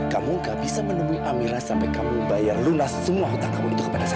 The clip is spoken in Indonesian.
kamu gak bisa menemui amila sampai kamu bayar lunas semua hutang kamu itu kepada saya